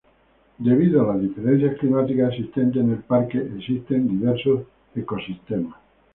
Debido a las diferencias climáticas existentes en el parque existen diversos ecosistemas.